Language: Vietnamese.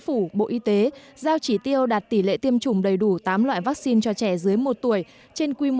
phủ bộ y tế giao chỉ tiêu đạt tỷ lệ tiêm chủng đầy đủ tám loại vaccine cho trẻ dưới một tuổi trên quy